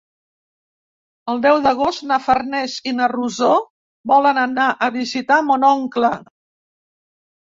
El deu d'agost na Farners i na Rosó volen anar a visitar mon oncle.